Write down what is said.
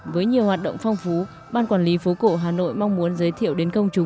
với nhiều hoạt động phong phú ban quản lý phố cổ hà nội mong muốn giới thiệu đến công chúng